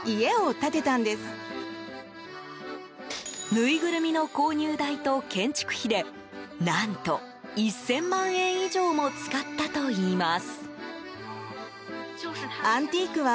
ぬいぐるみの購入代と建築費で何と１０００万円以上も使ったといいます。